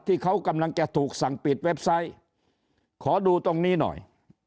ที่เขากำลังจะถูกสั่งปิดเว็บไซต์ขอดูตรงนี้หน่อย